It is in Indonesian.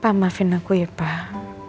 maafin aku ya pak